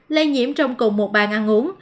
lây nhiễm trong cùng một bàn ăn uống